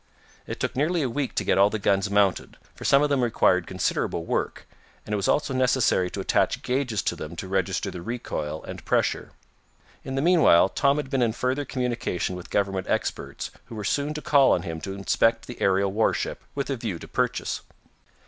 It took nearly a week to get all the guns mounted, for some of them required considerable work, and it was also necessary to attach gauges to them to register the recoil and pressure. In the meanwhile Tom had been in further communication with government experts who were soon to call on him to inspect the aerial warship, with a view to purchase.